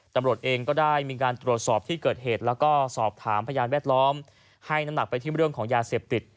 ตำรวจเองก็ได้มีการตรวจสอบที่เกิดเหตุแล้วก็สอบถามพยานแวดล้อมให้น้ำหนักไปที่เรื่องของยาเสพติด